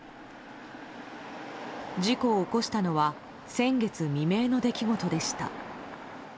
事故を起こしたのは先月未明の出来事でした。